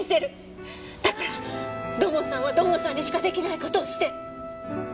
だから土門さんは土門さんにしか出来ない事をして。